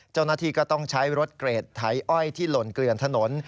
เจ้าหน้าที่ก็ต้องใช้รถเกรดไถอ้อยที่หล่นเกลือนถนน